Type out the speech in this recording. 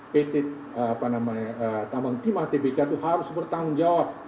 pt tambang timah tbk itu harus bertanggung jawab